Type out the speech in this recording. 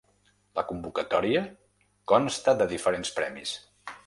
La convocatòria consta de diferents premis.